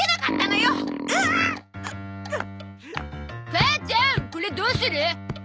母ちゃんこれどうする？